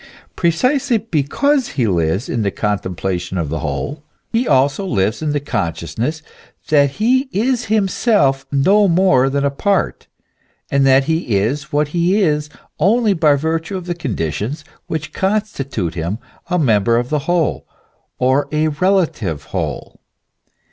Precisely because he lives in the contemplation of the w r hole, he also lives in the consciousness that he is himself no more than a part, and that I 170 THE ESSENCE OF CHEISTIANITY. he is what he is only by virtue of the conditions which consti tute him a member of the whole, or a relative whole.